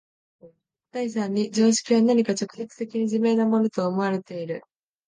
第三に常識は何か直接的に自明なものと思われている。